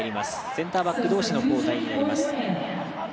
センターバック同士の交代となります。